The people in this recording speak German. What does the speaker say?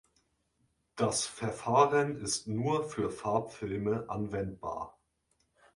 Das Verfahren ist nur für Farbfilme anwendbar.